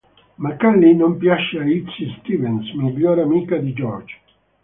Ma Callie non piace a Izzie Stevens, miglior amica di George.